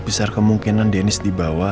bisa kemungkinan dennis dibawa